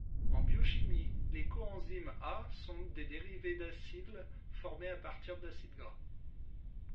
En biochimie, les coenzymes A sont des dérivés d'acyles formés à partir d'acides gras.